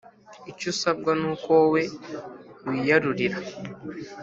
icyo usabwa nuko wowe wiyarurira”